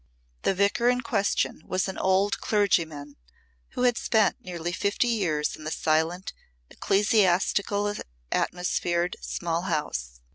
The Vicar in question was an old clergyman who had spent nearly fifty years in the silent, ecclesiastical atmosphered small house.